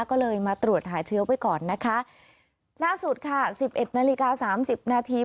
ก็เลยมาตรวจหาเชื้อไว้ก่อนนะคะล่าสุดค่ะสิบเอ็ดนาฬิกาสามสิบนาที